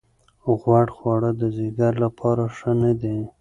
غوړ خواړه د ځیګر لپاره ښه نه دي.